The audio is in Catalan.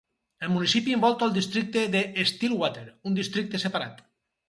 El municipi envolta el districte de Stillwater, un districte separat.